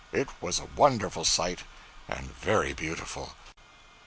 It was a wonderful sight, and very beautiful.